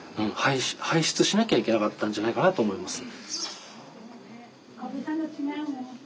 排出しなきゃいけなかったんじゃないかなと思います。